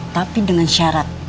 tapi dengan syarat